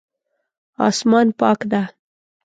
اسمان پاک ده